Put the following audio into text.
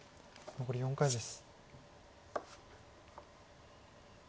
残り４回です。